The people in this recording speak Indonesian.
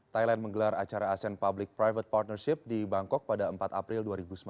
thailand menggelar acara asean public private partnership di bangkok pada empat april dua ribu sembilan belas